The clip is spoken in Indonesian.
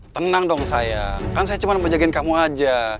tenang dong sayang kan saya cuma mau jagain kamu aja